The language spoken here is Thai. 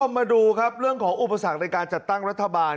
มาดูครับเรื่องของอุปสรรคในการจัดตั้งรัฐบาล